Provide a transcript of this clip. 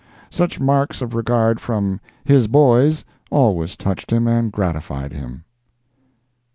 Such marks of regard from "his boys" always touched him and gratified him.